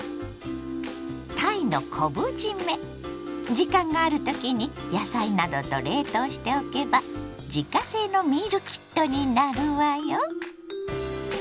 時間がある時に野菜などと冷凍しておけば自家製のミールキットになるわよ。